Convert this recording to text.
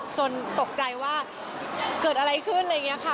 ตกใจว่าเกิดอะไรขึ้นอะไรอย่างนี้ค่ะ